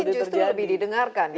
mungkin justru lebih didengarkan